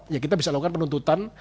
ya kita bisa lakukan penuntutan